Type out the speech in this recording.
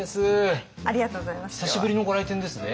久しぶりのご来店ですね。